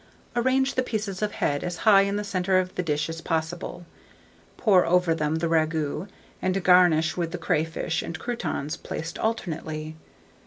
Arrange the pieces of head as high in the centre of the dish as possible; pour over them the ragout, and garnish with the crayfish and croûtons placed alternately.